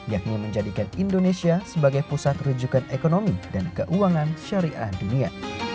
yakni menjadikan indonesia sebagai pusat rujukan ekonomi dan keuangan syariah dunia